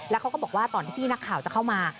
แล้วเขาก็บอกว่าตอนที่พี่นักข่าวจะเข้ามา